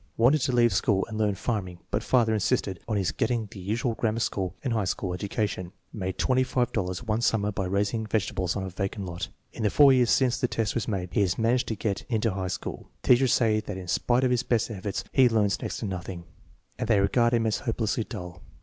Wanted to leave school and learn farming, but father insisted on his getting the usual grammar school and high school 90 THE MEASUEEMENT OF INTELLIGENCE education. Made $25 one summer by raising vegetables on a vacant lot. In the four years since the test was made he has managed to get into high school. Teachers say that in spite of his best efforts he learns next to nothing, and they regard him as hopelessly dull.